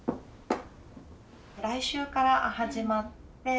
「来週から始まって」。